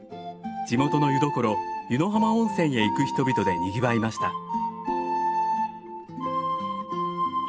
地元の湯どころ湯野浜温泉へ行く人々でにぎわいました。